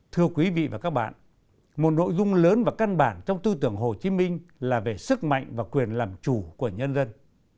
thưa quý vị và các bạn một nội dung lớn và căn bản trong tư tưởng hồ chí minh là về sức mạnh và quyền làm chủ của nhân dân